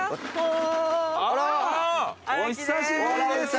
あら！お久しぶりです！